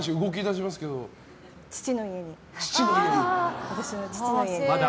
父の家に。